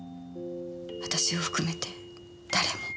私を含めて誰も。